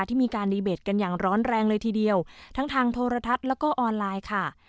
ที่มีการดีเบตกันอย่างร้อนแรงเลยทีเดียวทั้งทางโทรทัศน์แล้วก็ออนไลน์ค่ะ